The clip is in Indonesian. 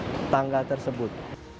sampai melebihi tangga tersebut